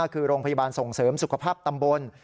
คือโรงพยาบาลส่งเสริมสุขภาพตำบล